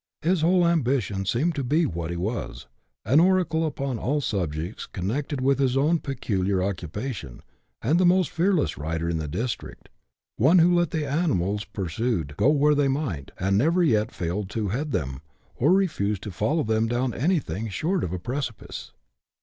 His whole ambition seemed to be what he was — an oracle upon all subjects connected with his own peculiar occupation, and the most fearless rider in the district, one who, let the animals pursued go where they might, had never yet failed to " head them," or refused to follow them down anything " short of a precipice."